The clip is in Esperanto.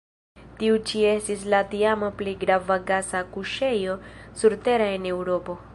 Tiu ĉi estis la tiama plej grava gasa kuŝejo surtera en Eŭropo.